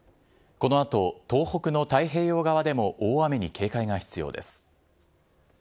このあと、東北の太平洋側でも大雨に警戒が必要です。